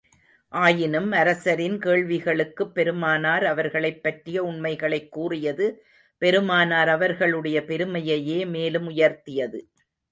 ஆயினும், அரசரின் கேள்விகளுக்குப் பெருமானார் அவர்களைப் பற்றிய உண்மைகளைக் கூறியது, பெருமானார் அவர்களுடைய பெருமையை மேலும் உயர்த்தியது.